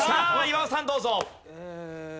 岩尾さんどうぞ。